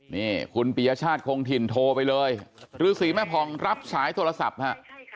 นี่คุณปียชาติคงถิ่นโทรไปเลยฤษีแม่ผ่องรับสายโทรศัพท์ฮะ